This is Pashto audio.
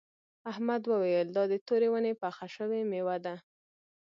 احمد وویل دا د تورې ونې پخه شوې میوه ده.